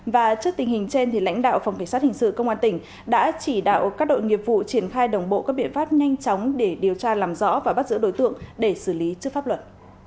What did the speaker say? và trước tình hình trên lãnh đạo phòng cảnh sát hình sự công an tỉnh đã chỉ đạo các đội nghiệp vụ triển khai đồng bộ các biện pháp nhanh chóng để điều tra làm rõ và bắt giữ đối tượng để xử lý trước pháp luật